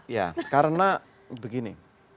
ya karena begini